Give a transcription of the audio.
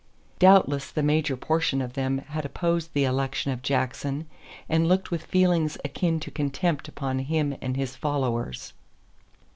Doubtless the major portion of them had opposed the election of Jackson and looked with feelings akin to contempt upon him and his followers.